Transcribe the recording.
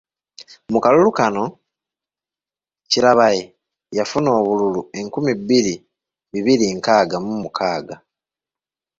Mu kalulu kano, Karabayi yafuna obululu enkumi bbiri bibiri nkaaga mu muaaga.